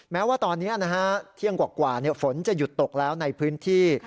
แม้ว่าตอนนี้เที่ยงกว่าฝนจะหยุดตกแล้วในพื้นที่